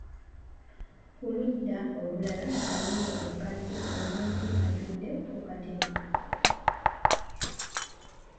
Ku ludda olulala nga waliyo omukazi omumpi atudde ku katebe.